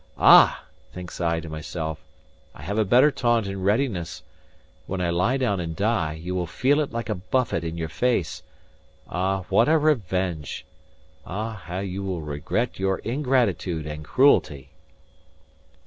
"Ah!" thinks I to myself, "I have a better taunt in readiness; when I lie down and die, you will feel it like a buffet in your face; ah, what a revenge! ah, how you will regret your ingratitude and cruelty!"